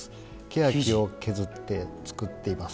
ケヤキを削って作っています。